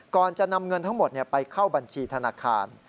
ก่อนจะนำเงินทั้งหมดไปเข้าบัญชีธนาคาร